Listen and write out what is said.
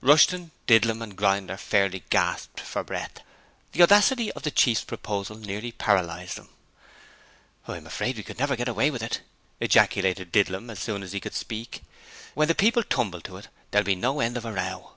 Rushton, Didlum and Grinder fairly gasped for breath: the audacity of the chief's proposal nearly paralysed them. 'I'm afraid we should never git away with it,' ejaculated Didlum, as soon as he could speak. 'When the people tumbled to it, there'd be no hend of a row.'